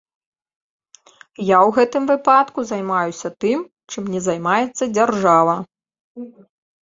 Я ў гэтым выпадку займаюся тым, чым не займаецца дзяржава.